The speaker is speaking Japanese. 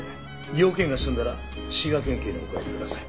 用件が済んだら滋賀県警にお帰りください。